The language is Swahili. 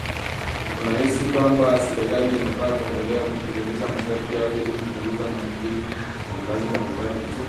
unahisi kwamba serikali inafaa kuendelea kutekeleza masharti hayo ili kupunguza maambukizi ya maradhi mbalimbali nchini